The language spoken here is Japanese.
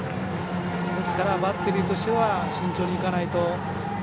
ですから、バッテリーとしては慎重にいかないと。